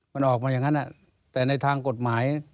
มันออกมาอย่างนั้นแต่ในทางกฎหมาย